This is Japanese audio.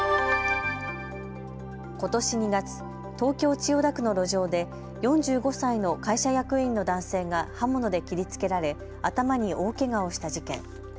ことし２月、東京千代田区の路上で４５歳の会社役員の男性が刃物で切りつけられ頭に大けがをした事件。